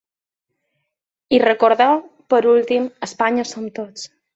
I recordeu per últim: Espanya som tots.